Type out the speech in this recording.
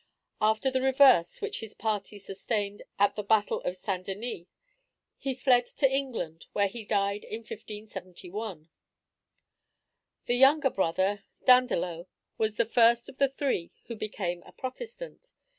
After the reverse which his party sustained at the battle of St. Denys, he fled to England, where he died in 1571. The younger brother, Dandelot, was the first of the three who became a Protestant.